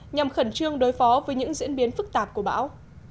nhằm khẩn trương đối phó với những diễn biến phức tạp của bão